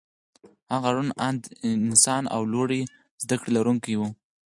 هغه روڼ انده انسان او لوړې زدکړې لرونکی و